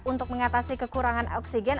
untuk mengatasi kekurangan oksigen